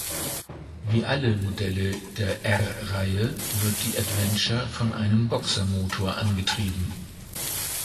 Wie alle Modelle der R-Reihe wird die Adventure von einem Boxermotor angetrieben.